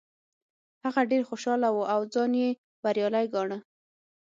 هغه ډیر خوشحاله و او ځان یې بریالی ګاڼه.